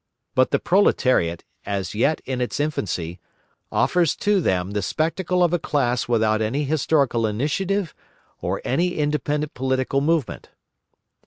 But the proletariat, as yet in its infancy, offers to them the spectacle of a class without any historical initiative or any independent political movement.